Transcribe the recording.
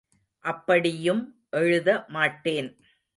அப்படியும் எழுத மாட்டேன்.